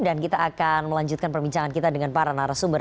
kita akan melanjutkan perbincangan kita dengan para narasumber